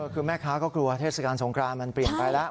คือแม่ค้าก็กลัวเทศกาลสงครานมันเปลี่ยนไปแล้ว